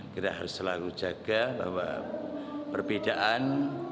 kita harus selalu jaga bahwa perbedaan